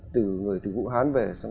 từ người từ vũ hán về xong